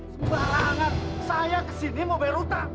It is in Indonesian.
sebarangan saya kesini mau bayar hutang